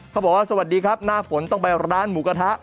เขาบอกว่าสวัสดีครับหน้าฝนต้องไปร้านหมูกระทะ